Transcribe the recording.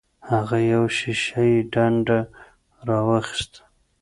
هغه یوه شیشه یي ډنډه راواخیسته.